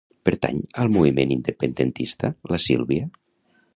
Pertany al moviment independentista la Silvia?